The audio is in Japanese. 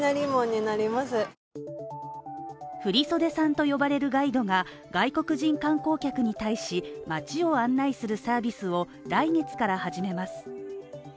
振袖さんと呼ばれるガイドが外国人観光客に対し、街を案内するサービスを来月から始めます。